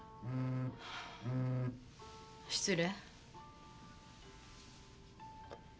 失礼。